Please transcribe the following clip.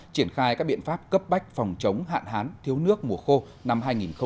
triển khai các biện pháp cấp bách phòng chống hạn hán thiếu nước mùa khô năm hai nghìn hai mươi